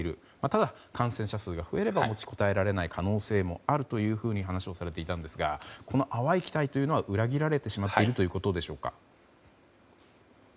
ただ、感染者数が増えれば持ちこたえられない可能性があるという話をされていたんですがこの淡い期待というのは裏切られてしまっているということでしょうか？